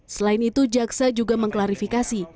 selain itu jaksa juga mengklarifikasi